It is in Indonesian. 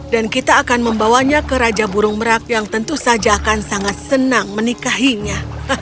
dan kita akan membawanya ke raja burung merak yang tentu saja akan sangat senang menikahinya